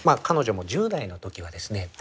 彼女も１０代の時はですね